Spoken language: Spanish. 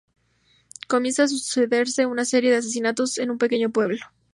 Comienzan a sucederse una serie de asesinatos en un pequeño pueblo.